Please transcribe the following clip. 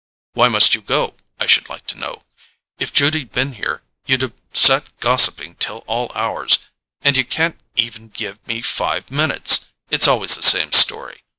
"Why must you go, I should like to know? If Judy'd been here you'd have sat gossiping till all hours—and you can't even give me five minutes! It's always the same story.